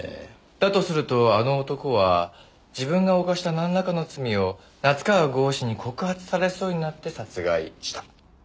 だとすると「あの男」は自分が犯したなんらかの罪を夏河郷士に告発されそうになって殺害した。